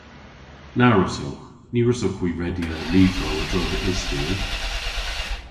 Na wrussowgh. Ny wrussowgh hwi redya lyvrow a-dro dhe istori.